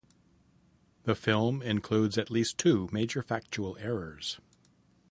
The film includes at least two major factual errors.